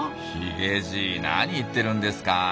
ヒゲじい何言ってるんですか。